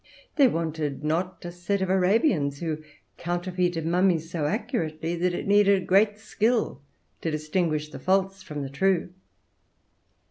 There wanted not a set of Arabians who counterfeited mummies so accurately that it needed great skill to distinguish the false from the true.